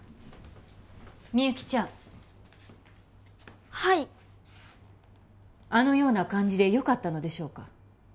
みゆきちゃんはいあのような感じでよかったのでしょうか？